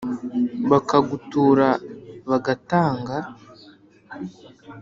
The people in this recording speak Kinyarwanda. bakagutura, bagatanga